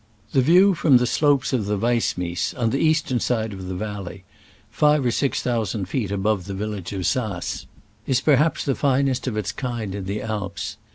The view from the slopes of the Wiessmies, on the eastern side of the valley, five or six thousand feet above the village of Saas, is perhaps the finest of its kind in the Alps.